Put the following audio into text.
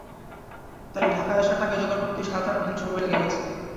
তাই ঢাকায় আসার টাকা জোগাড় করতেই সাত-আট দিন সময় লেগে গেছে।